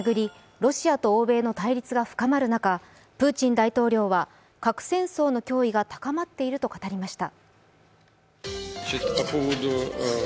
ロシアと欧米の対立が深まる中プーチン大統領は核戦争の脅威が高まっていると語りました。